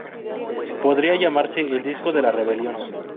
Podría llamarse el disco de la rebelión.